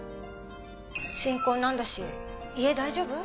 新婚なんだし家大丈夫？